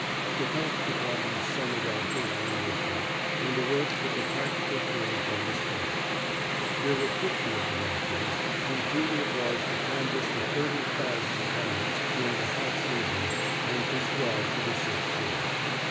The Health Department's summer doctors were enlisted, and the work took a practical turn from the start. There were fifty of the doctors, whose duty it was to canvass the thirty thousand tenements during the hot season and prescribe for the sick poor.